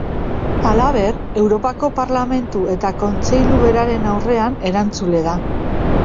Halaber, Europako Parlamentu eta Kontseilu beraren aurrean erantzule da.